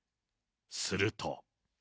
すると。